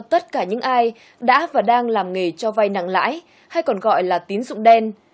tất cả những ai đã và đang làm nghề cho vay nặng lãi hay còn gọi là tín dụng đen